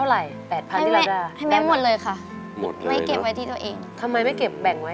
รายได้ของเขาเป็นยังไงบ้างคะ